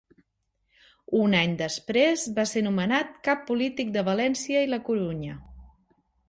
Un any després va ser nomenat Cap Polític de València i La Corunya.